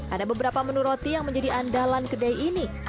ada beberapa menu roti yang menjadi andalan kedai ini